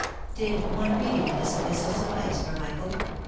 Did one reading of this epistle suffice for Michael?